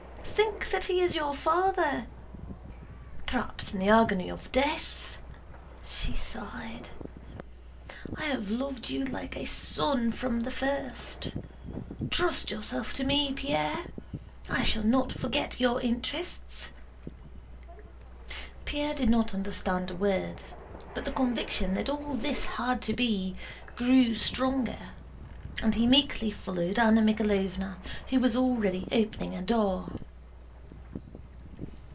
Think that he is your father ... perhaps in the agony of death." She sighed. "I have loved you like a son from the first. Trust yourself to me, Pierre. I shall not forget your interests." Pierre did not understand a word, but the conviction that all this had to be grew stronger, and he meekly followed Anna Mikháylovna who was already opening a door.